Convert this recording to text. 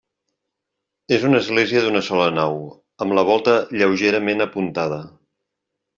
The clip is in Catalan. És una església d'una sola nau, amb la volta lleugerament apuntada.